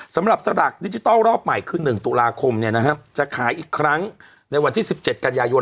สำหรับสลากดิจิทัลรอบใหม่คือ๑ตุลาคมจะขายอีกครั้งในวันที่๑๗กันยายน